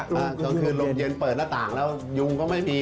กลางคืนลมเย็นเปิดหน้าต่างแล้วยุงก็ไม่มี